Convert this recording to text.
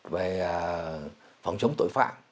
về phòng chống tội phạm